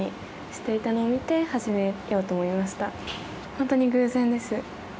本当に偶然です。